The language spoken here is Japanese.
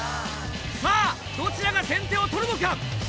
さぁどちらが先手を取るのか？